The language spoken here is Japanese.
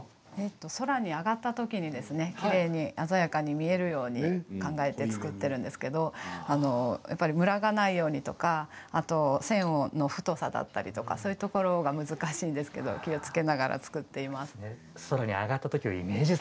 空に揚がったときにきれいに鮮やかに見えるように考えて作っているんですけどやっぱり、むらがないようにとかあと線の太さだったりとかそういうところが難しいんですけど気をつけながら作っています。